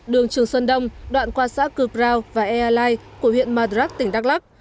đường trường sơn đông đoạn qua xã cư crow và ea lai của huyện madrak tỉnh đắk lắc